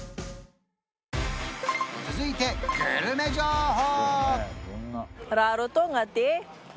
続いてグルメ情報！